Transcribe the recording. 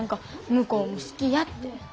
向こうも好きやって。